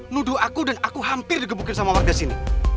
nuduh aku dan aku hampir digebukin sama warga sini